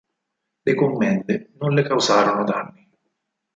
Le commende non le causarono danni.